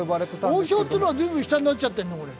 王将というのは随分下になっちゃってるね。